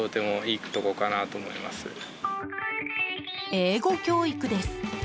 英語教育です。